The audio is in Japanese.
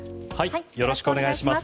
よろしくお願いします。